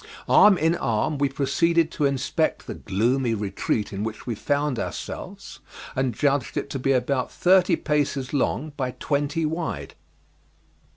Arm in arm, we proceeded to inspect the gloomy retreat in which we found ourselves, and judged it to be about thirty paces long by twenty wide.